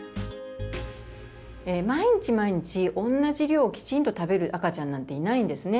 毎日毎日同じ量をきちんと食べる赤ちゃんなんていないんですね。